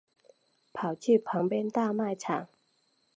跑去旁边大卖场